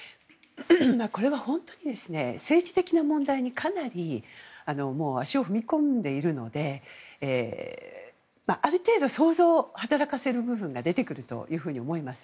これは本当に政治的な問題にかなり足を踏み込んでいるのである程度、想像を働かせる部分が出てくると思います。